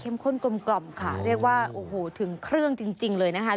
ข้นกลมกล่อมค่ะเรียกว่าโอ้โหถึงเครื่องจริงจริงเลยนะคะ